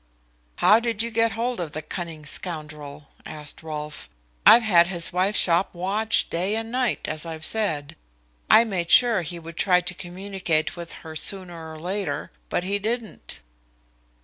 "How did you get hold of the cunning scoundrel?" asked Rolfe. "I've had his wife's shop watched day and night, as I've said. I made sure he would try to communicate with her sooner or later, but he didn't."